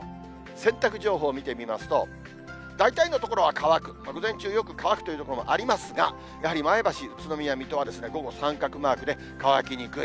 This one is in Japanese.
洗濯情報見てみますと、大体の所は乾く、午前中、よく乾くという所もありますが、やはり前橋、宇都宮、水戸は午後、三角マークで乾きにくい。